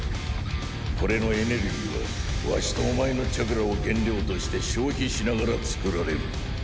これのエネルギーはワシとお前のチャクラを原料として消費しながら作られる。